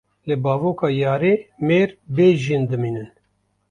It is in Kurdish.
Li bavoka yarê mêr bê jin dimînin.